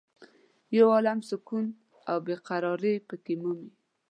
یو عالم سکون او بې قرارې په کې مومې.